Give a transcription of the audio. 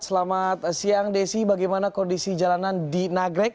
selamat siang desi bagaimana kondisi jalanan di nagrek